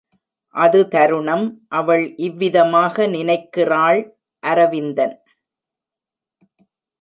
அது தருணம், அவள் இவ்விதமாக நினைக்கிறாள் அரவிந்தன்!